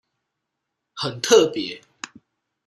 很特別